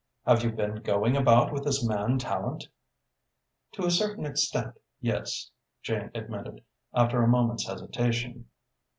Have you been going about with this man Tallente?" "To a certain extent, yes," Jane admitted, after a moment's hesitation.